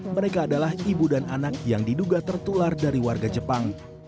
mereka adalah ibu dan anak yang diduga tertular dari warga jepang